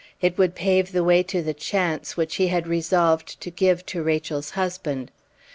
It would pave the way to the "chance" which he had resolved to give to Rachel's husband.